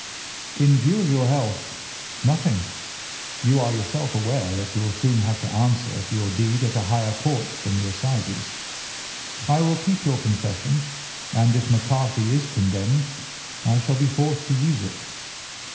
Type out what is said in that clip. "In view of your health, nothing. You are yourself aware that you will soon have to answer for your deed at a higher court than the Assizes. I will keep your confession, and if McCarthy is condemned I shall be forced to use it.